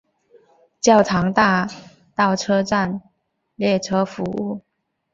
教堂大道车站列车服务。